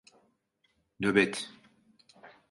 Nöbet.